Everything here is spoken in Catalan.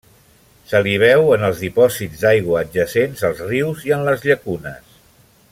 Se li veu en els dipòsits d'aigua adjacents als rius i en les llacunes.